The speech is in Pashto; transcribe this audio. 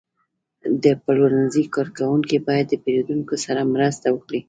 د پلورنځي کارکوونکي باید د پیرودونکو سره مرسته وکړي.